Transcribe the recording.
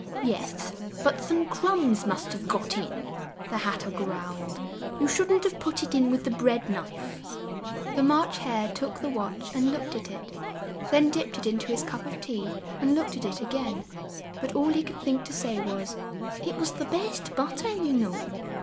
"Yes, but some crumbs must have got in," the Hat ter growled; "you shouldn't have put it in with the bread knife." The March Hare took the watch and looked at it; then dipped it in to his cup of tea and looked at it a gain; but all he could think to say was, "it was the best but ter, you know."